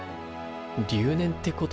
留年ってことか？